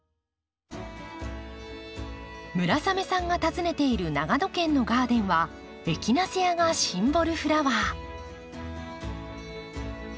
村雨さんが訪ねている長野県のガーデンはエキナセアがシンボルフラワー。